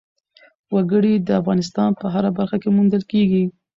وګړي د افغانستان په هره برخه کې موندل کېږي.